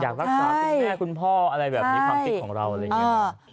อยากรักษาคุณแม่คุณพ่ออะไรแบบนี้ความคิดของเราอะไรอย่างนี้